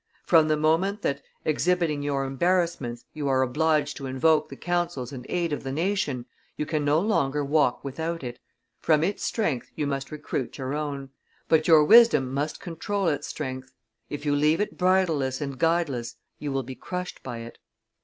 From the moment that, exhibiting your embarrassments, you are obliged to invoke the counsels and aid of the nation, you can no longer walk without it; from its strength you must recruit your own; but your wisdom must control its strength; if you leave it bridleless and guideless, you will be crushed by it.